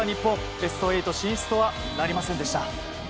ベスト８進出とはなりませんでした。